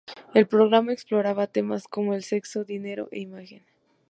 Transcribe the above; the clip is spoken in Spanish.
El programa exploraba temas como el sexo, dinero e imagen.